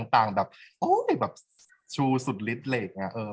กากตัวทำอะไรบ้างอยู่ตรงนี้คนเดียว